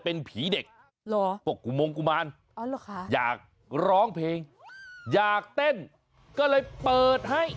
เป็นผีเด็กปกกุมงกุมารอยากร้องเพลงอยากเต้นก็เลยเปิดให้